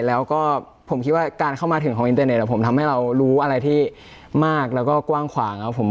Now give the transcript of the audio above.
แล้วก็ผมคิดว่าการเข้ามาถึงของอินเตอร์เน็ตผมทำให้เรารู้อะไรที่มากแล้วก็กว้างขวางครับผม